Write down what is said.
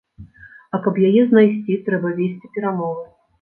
А каб яе знайсці, трэба весці перамовы.